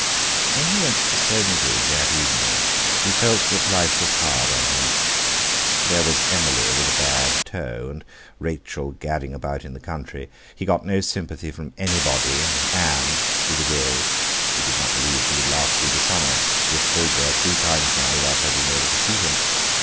When he went to Soames's that evening he felt that life was hard on him: There was Emily with a bad toe, and Rachel gadding about in the country; he got no sympathy from anybody; and Ann, she was ill—he did not believe she would last through the summer; he had called there three times now without her being able to see him!